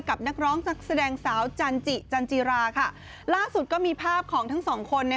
นักร้องนักแสดงสาวจันจิจันจิราค่ะล่าสุดก็มีภาพของทั้งสองคน